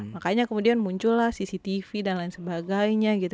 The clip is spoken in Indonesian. makanya kemudian muncullah cctv dan lain sebagainya gitu